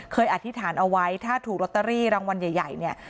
อธิษฐานเอาไว้ถ้าถูกลอตเตอรี่รางวัลใหญ่เนี่ย